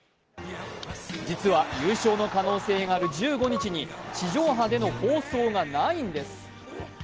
実は、優勝の可能性がある１５日に地上波での放送がないんです。